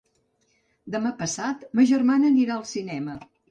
Demà passat ma germana anirà al cinema.